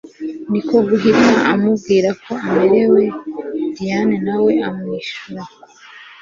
niko guhita amubwira ko amerewe Diane nawe amwishurako